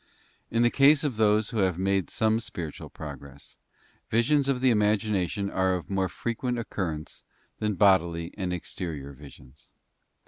In the case of those who have made some spiritual progress, visions of the imagination are of more frequent occurrence than bodily and exterior visions.